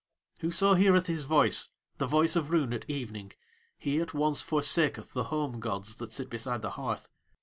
Whoso heareth his voice, the voice of Roon at evening, he at once forsaketh the home gods that sit beside the hearth.